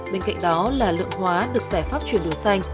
bên cạnh đó là lượng hóa được giải pháp chuyển đổi xanh